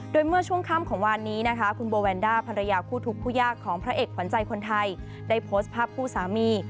โดยเมื่อช่วงค่ำของวันนี้นะคะคุณโบแวนด้าภรรยาคู่ทุกผู้ยากของพระเอกขวัญใจคนไทยได้โพสต์ภาพคู่สามี